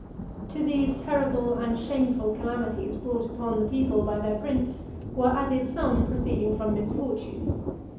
XXXIX. To these terrible and shameful calamities brought upon the people by their prince, were added some proceeding from misfortune.